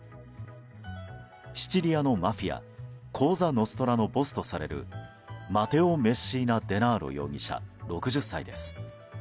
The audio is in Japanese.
シチリアのマフィアコーザ・ノストラのボスとされるマテオ・メッシーナ・デナーロ容疑者、６０歳です。